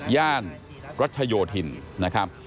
ย่านรัชโยธินนะครับ